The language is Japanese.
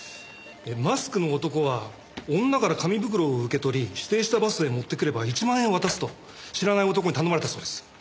マスクの男は女から紙袋を受け取り指定したバスへ持ってくれば１万円を渡すと知らない男に頼まれたそうです。